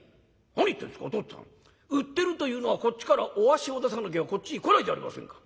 「何言ってんですかお父っつぁん売ってるというのはこっちからお足を出さなきゃこっちへ来ないじゃありませんか。